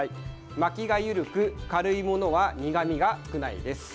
巻きが緩く、軽いものは苦みが少ないです。